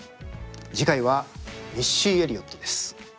次回はミッシー・エリオットです。